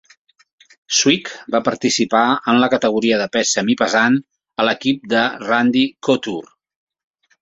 Swick va participar en la categoria de pes semipesant a l'equip de Randy Couture.